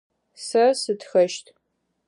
Сэ сытхэщт.